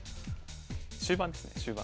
終盤ですね終盤。